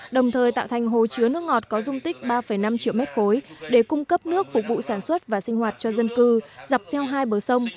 đồng thời tạo thành hồ chứa nước ngọt có dung tích ba năm triệu m ba để cung cấp nước phục vụ sản xuất và sinh hoạt cho dân cư dọc theo hai bờ sông